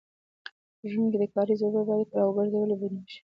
په ژمي کې د کاریزو اوبه باید راوګرځول او بندې شي.